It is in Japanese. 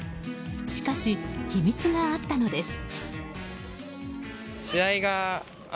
しかし、秘密があったのです。